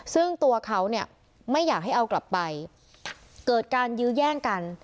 ซึ่งตัวเขาเนี่ยไม่อยากให้เอากลับไปเกิดการยื้อแย่งกัน